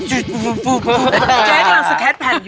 เจ๊กำลังสแคทแผนอยู่